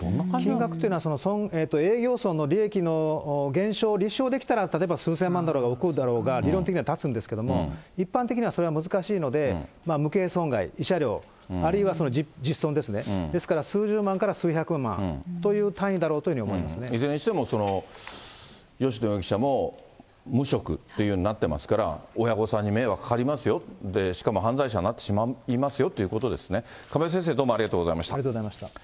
金額というのは、営業損の利益の減少を立証できたら、例えば数千万だろうが億であろうが理論的には立つんですけれども、一般的にはそれは難しいので、無形損害、慰謝料、あるいは実損ですね、ですから、数十万から数百万という単位だろうというふうにいずれにしても、吉野容疑者も無職っていうふうになってますから、親御さんに迷惑かかりますよ、しかも犯罪者になってしまいますよということですね、亀井先生、ありがとうございました。